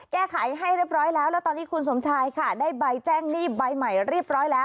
แก้ไขให้เรียบร้อยแล้วแล้วตอนนี้คุณสมชายค่ะได้ใบแจ้งหนี้ใบใหม่เรียบร้อยแล้ว